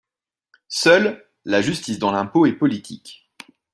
Seule, la justice dans l’impôt est politique.